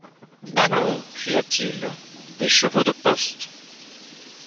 Nanon! cria-t-il, des chevaux de poste.